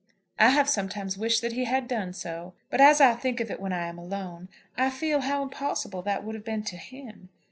"I have sometimes wished that he had done so. But as I think of it when I am alone, I feel how impossible that would have been to him.